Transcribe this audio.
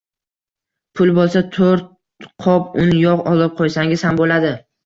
Pul boʻlsa toʻrt qop un, yogʻ olib qoʻysangiz ham boʻladi..